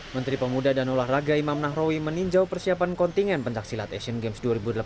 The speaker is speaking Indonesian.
menteri pemuda dan olahraga imam nahrawi meninjau persiapan kontingen pencaksilat asian games dua ribu delapan belas